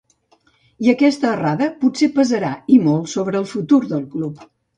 I aquesta errada potser pesarà, i molt, sobre el futur del club.